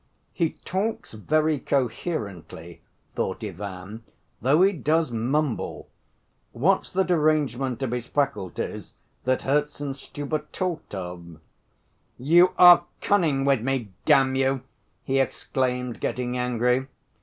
"He talks very coherently," thought Ivan, "though he does mumble; what's the derangement of his faculties that Herzenstube talked of?" "You are cunning with me, damn you!" he exclaimed, getting angry.